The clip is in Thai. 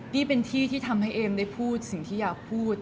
นี่เป็นที่ที่ทำให้เอมได้พูดสิ่งที่อยากพูด